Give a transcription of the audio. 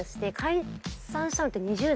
解散したのって２０代前半？